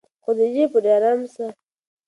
خدیجې په ډېر پام سره د خپلې لور مخ ته وکتل.